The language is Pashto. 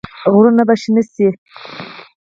غرونه به شنه شي؟